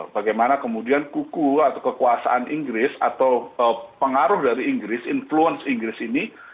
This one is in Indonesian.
bagaimana kemudian kuku atau kekuasaan inggris atau pengaruh dari inggris influence inggris ini